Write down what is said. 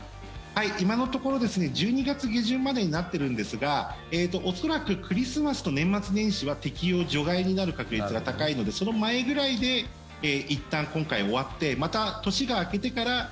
今のところ１２月下旬までになってるんですが恐らくクリスマスと年末年始は適用除外になる確率が高いのでその前ぐらいでいったん今回、終わってまた年が明けてから